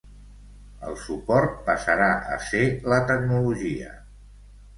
El suport passarà a ser la tecnologia.